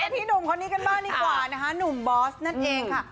ที่หนุ่มคนนี้กันบ้างดีกว่านะคะหนุ่มบอสนั่นเองค่ะ